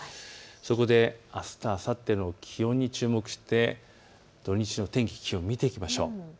そこであすとあさっての気温に注目して土日の天気と気温を見ていきましょう。